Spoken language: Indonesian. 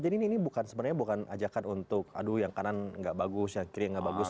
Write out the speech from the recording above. jadi ini bukan sebenarnya ajakan untuk aduh yang kanan gak bagus yang kiri gak bagus